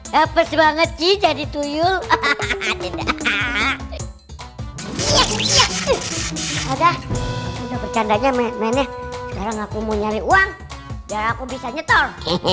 hapus banget sih jadi tuyul